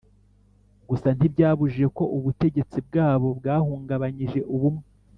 gusa ntibyabujije ko ubutegetsi bwabo bwahungabanyije ubumwe